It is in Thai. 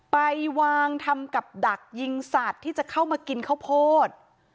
ไปวางทำกับดักยิงสัตว์ที่จะเข้ามากินข้าวโพด